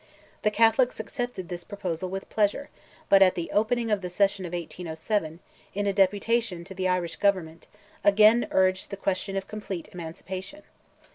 The Catholics accepted this proposal with pleasure, but at the opening of the session of 1807, in a deputation to the Irish government, again urged the question of complete emancipation.